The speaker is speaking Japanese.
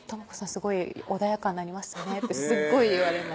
すごい穏やかになりましたね」ってすっごい言われます